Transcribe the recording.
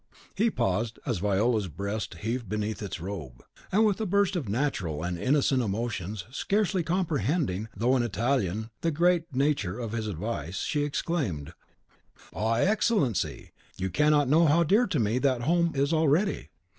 He paused, as Viola's breast heaved beneath its robe. And with a burst of natural and innocent emotions, scarcely comprehending, though an Italian, the grave nature of his advice, she exclaimed, "Ah, Excellency, you cannot know how dear to me that home is already.